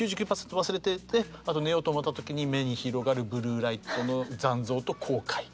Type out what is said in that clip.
９９％忘れててあと寝ようと思った時に目に広がるブルーライトの残像と後悔。